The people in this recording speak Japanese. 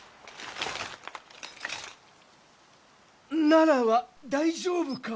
奈良は大丈夫か？